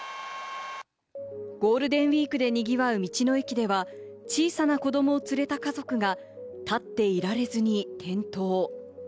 ゴールデンウイークでにぎわう道の駅では、小さな子供を連れた家族が立っていられずに転倒。